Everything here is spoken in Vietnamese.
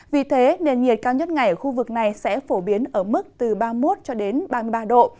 vì thế nền nhiệt cao nhất ngày ở khu vực này sẽ phổ biến ở mức ba mươi một ba mươi ba độ